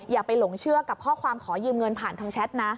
อย่าไปหลงเชื่อกับข้อความขอยืมเงินผ่านทางแชทนะ